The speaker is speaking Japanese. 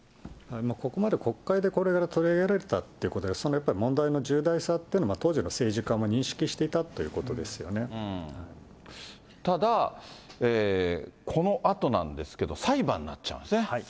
ここまで国会で取り上げられたということで、それはやっぱり問題の重大さって、当時の政治家も認識していたといただ、このあとなんですけど、裁判になっちゃうんですね。